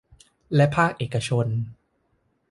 และภาคเอกชน